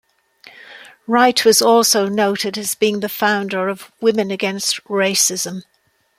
Wright was also noted as being the founder of Women Against Racism.